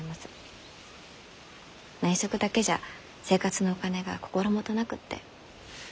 内職だけじゃ生活のお金が心もとなくって。